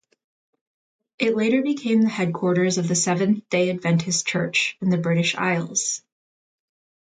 It later became the headquarters of the Seventh-day Adventist Church in the British Isles.